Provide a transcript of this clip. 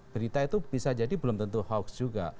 berita itu bisa jadi belum tentu hoax juga